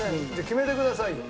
決めてくださいよ。